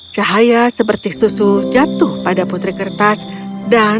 cahaya seperti susu jatuh pada putri kertas dan